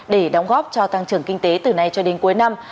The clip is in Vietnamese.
để đóng góp cho tăng trưởng kinh tế từ nay cho đến cuối năm